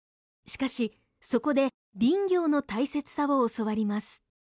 しかしそこで林業の大切さを教わります。